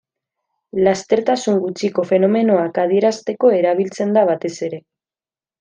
Lastertasun gutxiko fenomenoak adierazteko erabiltzen da batez ere.